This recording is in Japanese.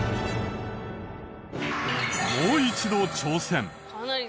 もう一度挑戦。